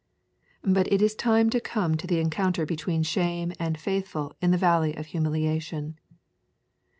But it is time to come to the encounter between Shame and Faithful in the Valley of Humiliation.